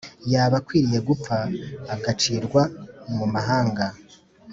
yaba akwiriye gupfa agacirwa mu mahanga